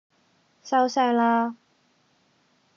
收聲啦